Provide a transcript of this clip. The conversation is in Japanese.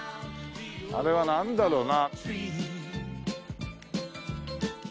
あれはなんだろうな？